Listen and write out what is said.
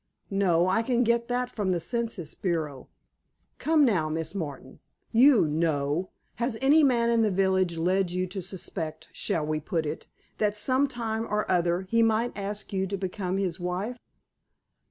"No. I can get that from the Census Bureau. Come, now, Miss Martin. You know. Has any man in the village led you to suspect, shall we put it? that sometime or other, he might ask you to become his wife?"